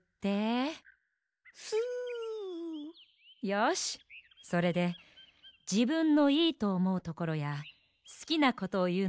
よしそれでじぶんのいいとおもうところやすきなことをいうのさ。